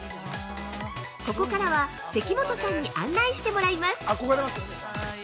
ここからは、関本さんに案内してもらいます。